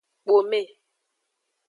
Kpome.